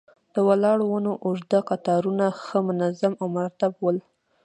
د ولاړو ونو اوږد قطارونه ښه منظم او مرتب ول.